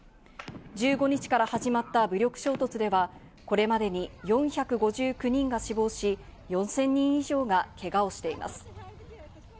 １５日から始まった武力衝突では、これまでに４５９人が死亡し、４０００人以上がけがをしています。